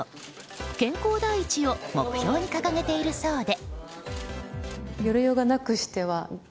健康第一を目標に掲げているそうで。